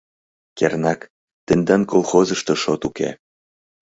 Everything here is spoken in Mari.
Кернак, тендан колхозышто шот уке.